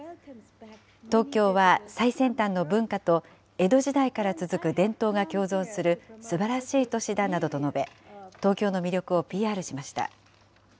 東京は最先端の文化と江戸時代から続く伝統が共存するすばらしい都市だなどと述べ、東京の魅力をＰＲしました。